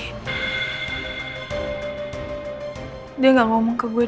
apa jangan jangan ini semua karena riki